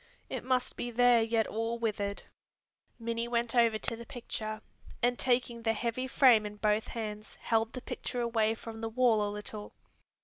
It must be there yet all withered." Minnie went over to the picture, and taking the heavy frame in both hands held the picture away from the wall a little.